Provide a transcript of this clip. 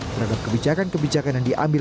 terhadap kebijakan kebijakan yang diambil